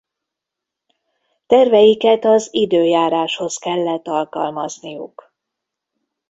Terveiket az időjáráshoz kellett alkalmazniuk.